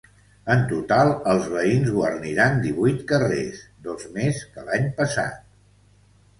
En total els veïns guarniran divuit carrers, dos més que l’any passat.